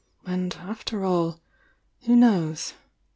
— and after all, who knows?